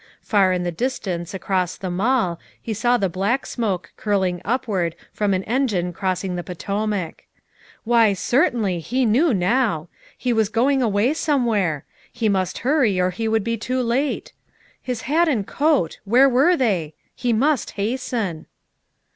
Far in the distance across the Mall he saw the black smoke curling upward from an engine cross ing the Potomac. Why, certainly, he knew now. He was going away somewhere. He must hurry or he would be too late. His hat and coat where were they? He must hasten.